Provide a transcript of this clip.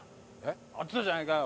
合ってたじゃねえかよ！